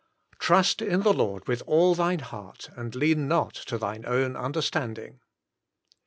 " Trust in the Lord with all thine heart, and lean not to thine own understanding."